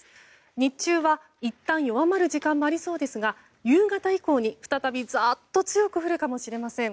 日中はいったん弱まる時間もありそうですが夕方以降に再びざっと強く降るかもしれません。